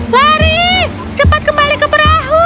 lari cepat kembali ke perahu